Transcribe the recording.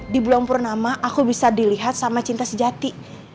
di bulan purnama aku bisa dilihat sama cinta sejati